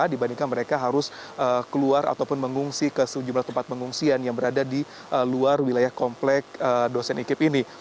dibandingkan mereka harus keluar ataupun mengungsi ke sejumlah tempat pengungsian yang berada di luar wilayah komplek dosen ikib ini